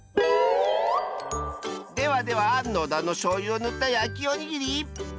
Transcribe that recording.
ではでは野田のしょうゆをぬったやきおにぎり。